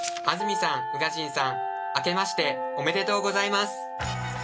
安住さん、宇賀神さん、あけましておめでとうございます。